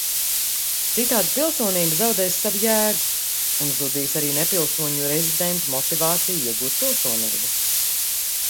Citādi pilsonība zaudēs savu jēgu, un zudīs arī nepilsoņu rezidentu motivācija iegūt pilsonību.